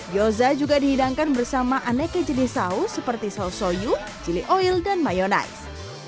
gyoza juga dihidangkan bersama aneh kejenis saus seperti saus soyu chili oil dan mayonnaise